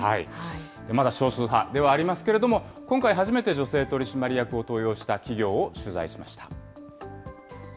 まだ少数派ではありますけれども、今回、初めて女性取締役を登用した企業を取材しました。